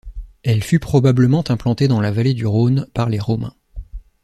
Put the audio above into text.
Elle fut probablement implantée dans la vallée du Rhône par les Romains.